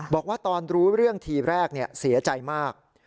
บอกว่าตอนรู้เรื่องทีแรกเสียใจมาก